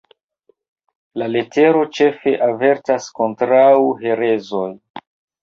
La letero ĉefe avertas kontraŭ herezoj.